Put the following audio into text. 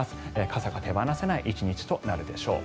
傘が手放せない１日となるでしょう。